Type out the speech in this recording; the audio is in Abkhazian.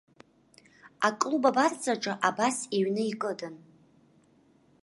Аклуб абарҵаҿы абас иҩны икыдын.